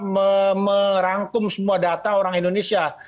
merangkum semua data orang indonesia